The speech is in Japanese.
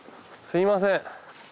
すみません。